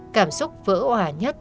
cảm xúc vỡ hỏa nhất